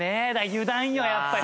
油断よやっぱりね。